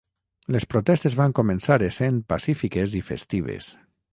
Les protestes van començar essent pacífiques i festives.